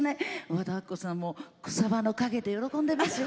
和田アキ子さんも草葉の陰で喜んでますよ。